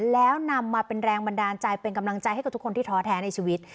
แล้วนำมาเป็นแรงบันดาลใจเป็นกำลังใจให้กับทุกคนที่ท้อแท้ในชีวิต